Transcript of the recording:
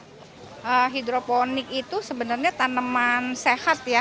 nah hidroponik itu sebenarnya tanaman sehat ya